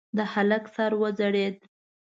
د هلک سر وځړېد.